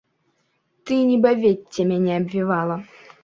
Ты, нібы вецце, мяне абвівала.